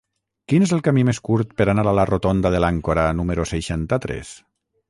Quin és el camí més curt per anar a la rotonda de l'Àncora número seixanta-tres?